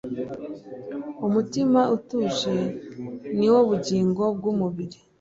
umutima utuje ni wo bugingo bw’umubiri,